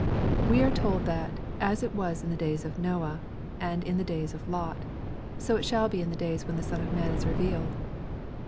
We are told that as it was in the '^ days of Noah," and in the " days of Lot," " so shall it be in the day when the Son of man is revealed."